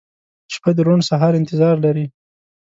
• شپه د روڼ سهار انتظار لري.